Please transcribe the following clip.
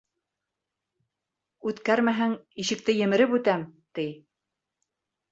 Үткәрмәһәң, ишекте емереп үтәм, ти.